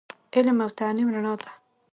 علم او تعليم رڼا ده